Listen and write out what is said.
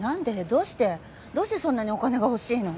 どうしてそんなにお金が欲しいの？